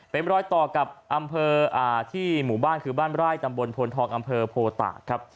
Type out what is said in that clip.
เป็นรอยต่อกับอำเภอที่หมู่บ้านคือบ้านไร่ตำบลพลทองอำเภอโพตากครับ